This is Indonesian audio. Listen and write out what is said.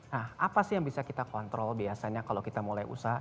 nah apa sih yang bisa kita kontrol biasanya kalau kita mulai usaha